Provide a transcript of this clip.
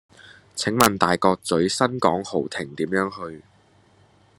請問大角嘴新港豪庭點樣去?